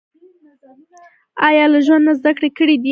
انا له ژوند نه زده کړې کړې دي